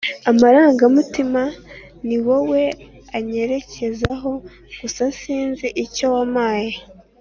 Amarangamutima niwowe anyerekezaho gusa sinzi icyo wampaye